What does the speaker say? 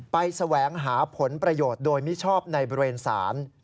แสวงหาผลประโยชน์โดยมิชอบในบริเวณศาล